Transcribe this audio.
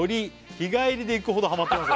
「日帰りで行くほどハマってます」